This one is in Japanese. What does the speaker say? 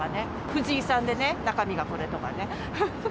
藤井さんでね、中身がこれとかね。